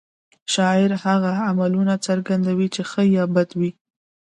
شاعر هغه عملونه څرګندوي چې ښه یا بد وي